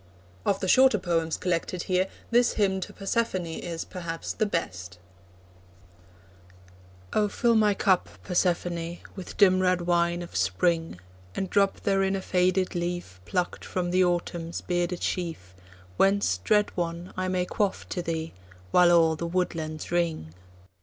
Of the shorter poems collected here, this Hymn to Persephone is, perhaps, the best: Oh, fill my cup, Persephone, With dim red wine of Spring, And drop therein a faded leaf Plucked from the Autumn's bearded sheaf, Whence, dread one, I may quaff to thee, While all the woodlands ring.